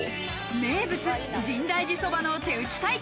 名物・深大寺そばの手打ち体験。